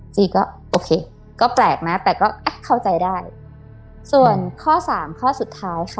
จีก็โอเคก็แปลกนะแต่ก็อ่ะเข้าใจได้ส่วนข้อสามข้อสุดท้ายค่ะ